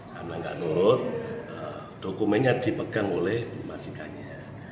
karena tidak menurut dokumennya dipegang oleh majikanya